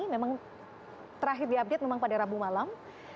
memang terakhir diupdate memang pada rabu malam